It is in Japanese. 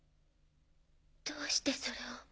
どうしてそれを。